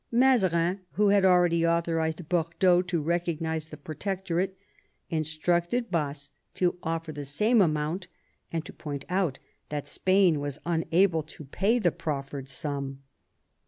Mazarin, who had already authorised Bordeaux to recognise the Protector ate, instructed Baas to offer the same amount, and to point out that Spain was unable to pay the proffered sum.